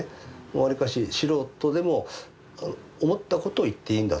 わりかし素人でも思ったことを言っていいんだと。